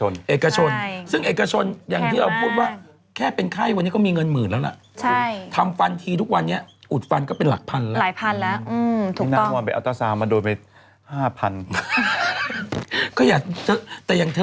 นางกลับปะปุ๊บก็เห็นว่าเฮ้ยทำไมจอมปวกเนี่ยเหมือนพญานาค